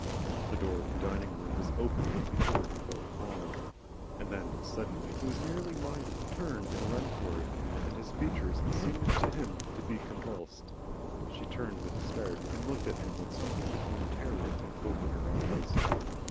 The door of the dining room was opening before he felt a qualm. And then suddenly he was nearly minded to turn and run for it, and his features seemed to him to be convulsed. She turned with a start, and looked at him with something between terror and hope in her eyes.